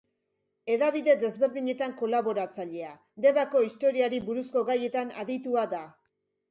Hedabide desberdinetan kolaboratzailea, Debako historiari buruzko gaietan aditua da.